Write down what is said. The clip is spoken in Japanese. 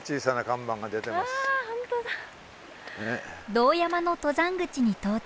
堂山の登山口に到着。